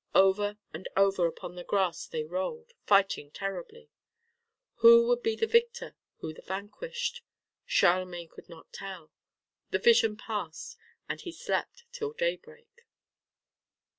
Over and over upon the grass they rolled, fighting terribly. Who would be the victor, who the vanquished? Charlemagne could not tell. The vision passed, and he slept till daybreak.